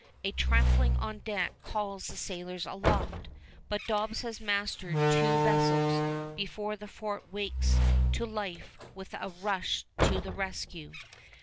A trampling on deck calls the sailors aloft; but Dobbs has mastered two vessels before the fort wakes to life with a rush to the rescue.